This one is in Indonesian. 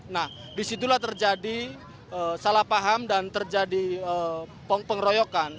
nah disitulah terjadi salah paham dan terjadi pengeroyokan